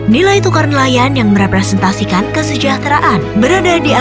nilai tukar nelayan yang merepresentasikan kesejahteraan berada di angka dua ratus hingga tiga ratus